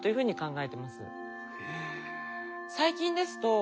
え！